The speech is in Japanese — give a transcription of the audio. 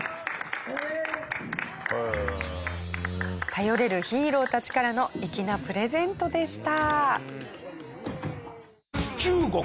頼れるヒーローたちからの粋なプレゼントでした。